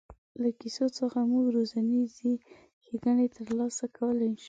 له کیسو څخه موږ روزنیزې ښېګڼې تر لاسه کولای شو.